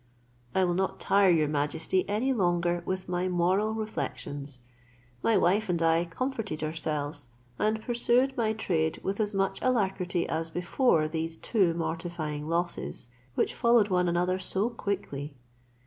I will not tire your majesty any longer with my moral reflections. My wife and I comforted ourselves, and I pursued my trade with as much alacrity as before these two mortifying losses, which followed one another so quickly.